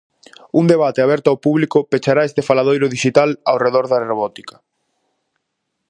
Un debate aberto ao público pechará este faladoiro dixital ao redor da robótica.